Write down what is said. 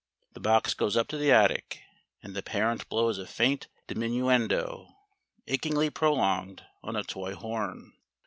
The box goes up to the attic, and the parent blows a faint diminuendo, achingly prolonged, on a toy horn.